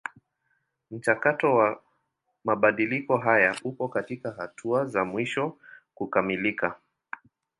Mchakato wa mabadiliko haya upo katika hatua za mwisho kukamilika.